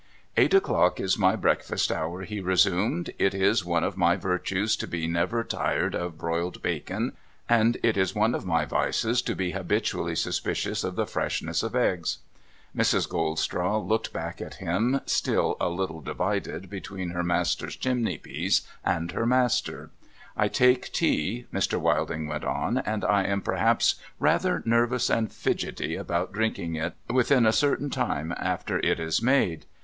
' Eight o'clock is my breakfast hour,' he resumed. ' It is one of my virtues to be never tired of broiled bacon, and it is one of my vices to be habitually suspicious of the freshness of eggs.' Mrs. Gold straw looked back at him, still a little divided between her master's chimney piece and her master. ' I take tea,' Mr. ^^'ilding went on ;' and I am perhaps rather nervous and fidgety about drinking it, within a certain time after it is made.